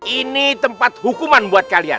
ini tempat hukuman buat kalian